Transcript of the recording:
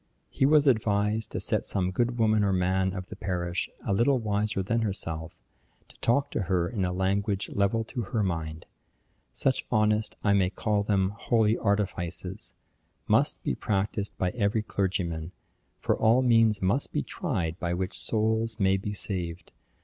He was advised to set some good woman or man of the parish, a little wiser than herself, to talk to her in a language level to her mind. Such honest, I may call them holy artifices, must be practised by every clergyman; for all means must be tried by which souls may be saved.